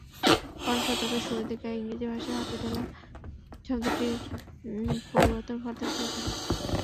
পনেরো শতকের শুরুর দিকে ইংরেজি ভাষায় হসপিটাল শব্দের পরিবর্তন ঘটতে শুরু করে।